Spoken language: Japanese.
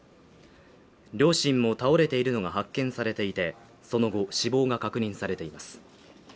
両親も倒れているのが発見されていて、その後、死亡が確認されています。